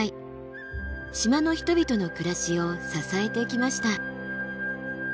島の人々の暮らしを支えてきました。